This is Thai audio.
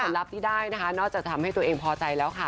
ลับที่ได้นะคะนอกจากทำให้ตัวเองพอใจแล้วค่ะ